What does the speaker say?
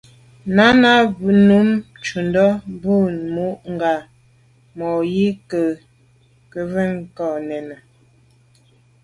Náná nǔm jə́də́ bû mû ŋgā mwà’nì nyɔ̌ ŋkə̂mjvʉ́ ká nɛ̂n.